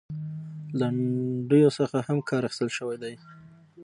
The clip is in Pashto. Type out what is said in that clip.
لنډيو څخه هم کار اخيستل شوى دى .